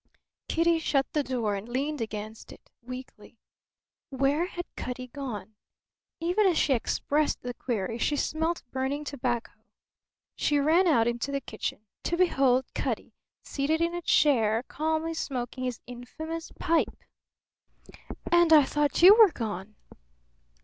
Kitty shut the door and leaned against it weakly. Where had Cutty gone? Even as she expressed the query she smelt burning tobacco. She ran out into the kitchen, to behold Cutty seated in a chair calmly smoking his infamous pipe! "And I thought you were gone!